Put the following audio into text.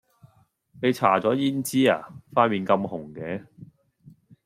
你搽左胭脂呀？塊臉咁紅嘅